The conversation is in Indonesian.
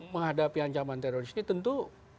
menghadapi ancaman teroris ini tentu